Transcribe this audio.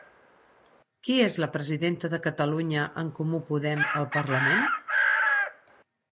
Qui és la presidenta de Catalunya en Comú Podem al parlament?